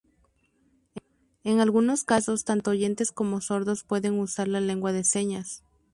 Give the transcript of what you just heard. En algunos casos, tanto oyentes como sordos pueden usar la lengua de señas.